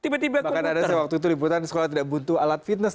bahkan ada sih waktu itu liputan sekolah tidak butuh alat fitness